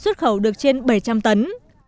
xuất khẩu được trên bảy trăm linh tấn